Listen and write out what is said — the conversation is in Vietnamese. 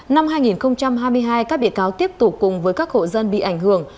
năm hai nghìn hai mươi hai các bị cáo tiếp tục cùng với các hộ dân bị ảnh hưởng